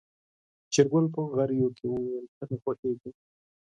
شېرګل په غريو کې وويل ته مې خوښيږې.